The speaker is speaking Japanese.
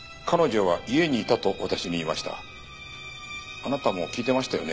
あなたも聞いてましたよね？